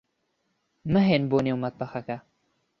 مەھێن بۆ نێو مەتبەخەکە.